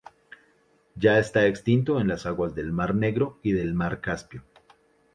Ya está extinto en las aguas del mar Negro y del mar Caspio.